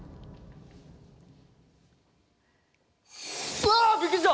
うわびっくりした！